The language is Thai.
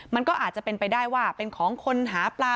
มันก็อาจจะเป็นไปได้ว่าเป็นของคนหาปลา